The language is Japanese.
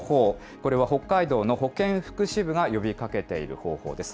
これは北海道の保健福祉部が呼びかけている方法です。